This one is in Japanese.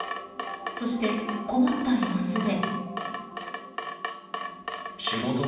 そして、困った様子で。